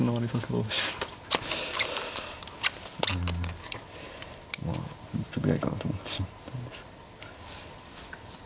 うんまあ一歩ぐらいかなと思ってしまったんですが。